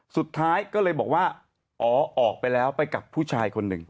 สุดท้ายก็เลยบอกว่าอ๋อออกไปแล้วไปกับผู้ชายคนหนึ่ง